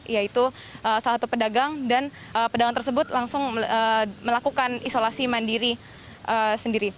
yaitu salah satu pedagang dan pedagang tersebut langsung melakukan isolasi mandiri sendiri